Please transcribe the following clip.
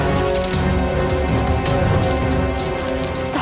bukankah itu masalah santang